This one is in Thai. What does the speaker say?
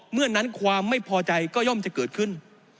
เมื่อนั้นความไม่พอใจก็ย่อมจะเกิดขึ้น